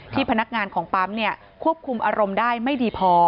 พนักงานของปั๊มควบคุมอารมณ์ได้ไม่ดีพอ